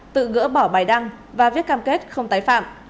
tự gỡ bỏ bài đăng và viết cam kết không tái phạm